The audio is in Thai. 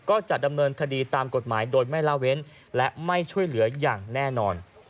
ก็จะดำเนินคดีตามกฎหมายโดยไม่ละเว้นและไม่ช่วยเหลืออย่างแน่นอน